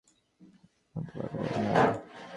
দেওয়ালের বাসনা-কামনা নাই, পূর্ণ মুক্তমানবেরও নাই।